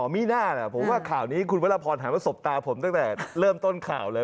มีหน้านะผมว่าข่าวนี้คุณวรพรหันมาสบตาผมตั้งแต่เริ่มต้นข่าวเลย